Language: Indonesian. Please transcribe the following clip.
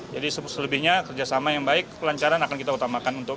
jadi selebihnya kerjasama yang baik kelancaran akan kita utamakan